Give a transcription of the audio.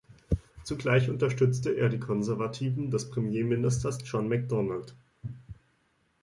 Zugleich unterstützte er die Konservativen des Premierministers John Macdonald.